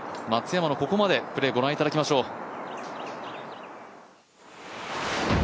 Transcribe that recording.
松山のここまでのプレーご覧いただきましょう。